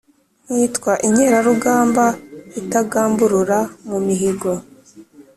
nkitwa inkerarugamba itagamburura mu mihigo.